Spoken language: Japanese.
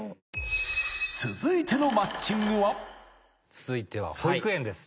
続いては保育園です。